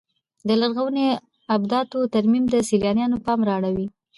د لرغونو ابداتو ترمیم د سیلانیانو پام را اړوي.